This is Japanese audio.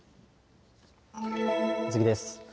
次です。